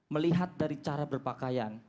melihat dari cara berpakaian